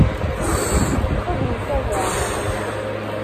Xedmet aya!